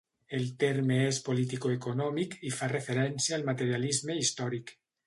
El terme és politicoeconòmic i fa referència al materialisme històric.